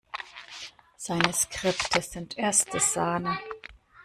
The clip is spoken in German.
Seine Skripte sind erste Sahne.